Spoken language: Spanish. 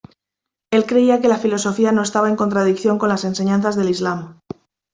Él creía que la filosofía no estaba en contradicción con las enseñanzas del Islam.